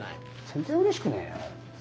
全然うれしくねえよ。